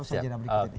saya tidak mau dikritik